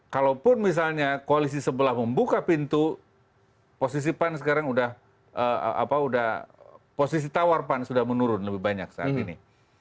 kalaupun misalnya koalisi sebelah membuka pintu posisi pan sekarang sudah posisi tawar pan sudah menurun lebih banyak saat ini